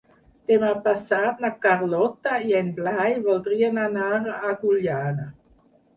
Demà passat na Carlota i en Blai voldrien anar a Agullana.